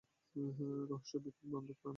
রহস্যবিদ বন্ধু প্রাণ অপেক্ষাও প্রিয় হয়।